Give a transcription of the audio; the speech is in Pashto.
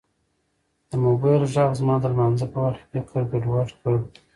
د موبایل غږ زما د لمانځه په وخت کې فکر ګډوډ کړ.